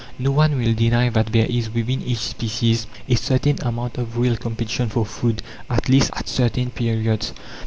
No one will deny that there is, within each species, a certain amount of real competition for food at least, at certain periods.